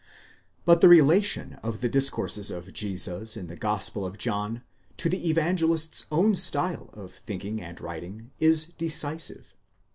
*! But the relation of the discourses of Jesus in the gospel of John, to the Evangelist's own style of thinking and writing, is decisive.